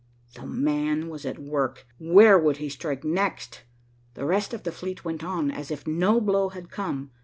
"The man" was at work. Where would he strike next? The rest of the fleet went on, as if no blow had come.